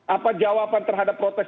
apa jawaban terhadap protes